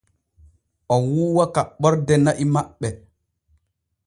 O wuuwa kaɓɓorde na'i maɓɓe.